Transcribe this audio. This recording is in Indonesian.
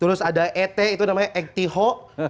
terus ada et itu namanya ektiho